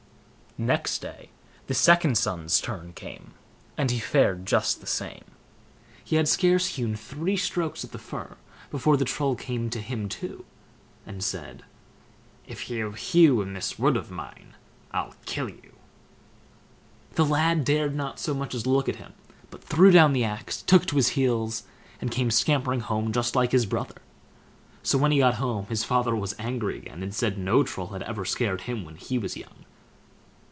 Next day the second son's turn came, and he fared just the same. He had scarce hewn three strokes at the fir, before the Troll came to him too, and said: "If you hew in this wood of mine, I'll kill you." The lad dared not so much as look at him, but threw down the axe, took to his heels, and came scampering home just like his brother. So when he got home, his father was angry again, and said no Troll had ever scared him when he was young.